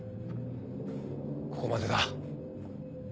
ここまでだ。